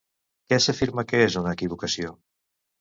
Què s'afirma que és una equivocació?